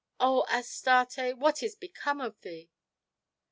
O Astarte! what is become of thee?"